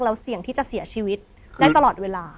เสี่ยงที่จะเสียชีวิตได้ตลอดเวลา